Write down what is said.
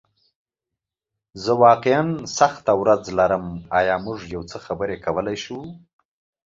زه واقعیا سخته ورځ لرم، ایا موږ یو څه خبرې کولی شو؟